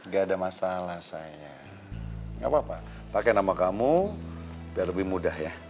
gak ada masalah saya gak apa apa pakai nama kamu biar lebih mudah ya